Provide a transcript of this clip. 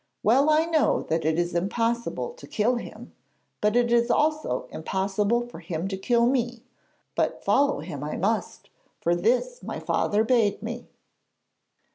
Well I know that it is impossible to kill him, but it is also impossible for him to kill me; but follow him I must, for this my father bade me.'